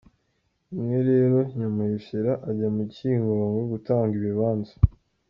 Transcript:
Rimwe rero Nyamuheshera ajya mu Cyingogo gutanga ibibanza.